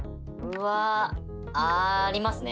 ありますね。